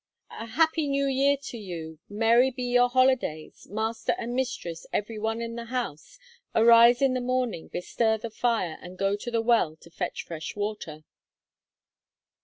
A happy new year to you, Merry be your holidays, Master and mistress every one in the house; Arise in the morning; bestir the fire, And go to the well to fetch fresh water.